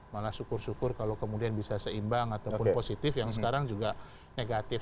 malah syukur syukur kalau kemudian bisa seimbang ataupun positif yang sekarang juga negatif